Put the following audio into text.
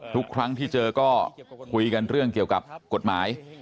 ทุกครั้งที่เจอก็คุยกันเรื่องเกี่ยวกับกฎหมาย